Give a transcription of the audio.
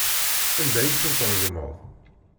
Anda ay tent-tregmeḍ?